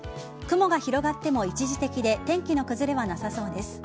雲が広がっても一時的で天気の崩れはなさそうです。